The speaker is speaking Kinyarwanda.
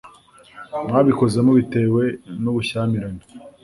mwabikoze mubitewe n'ubushyamirane